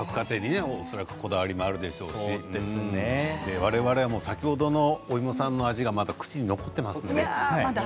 恐らくこだわりもあるでしょうし我々、先ほどのお芋さんの味がまだ口に残っていますので。